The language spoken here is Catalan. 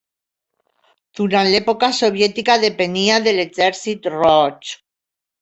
Durant l'època soviètica depenia de l'Exèrcit Roig.